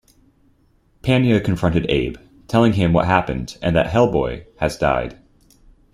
Panya confronted Abe, telling him what happened and that Hellboy has died.